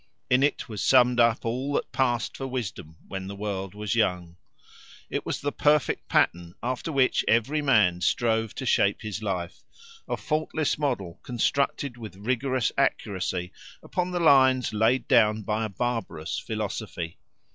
In it was summed up all that passed for wisdom when the world was young. It was the perfect pattern after which every man strove to shape his life; a faultless model constructed with rigorous accuracy upon the lines laid down by a barbarous philosophy.